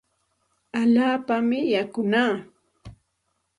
Allaapami yakunaa.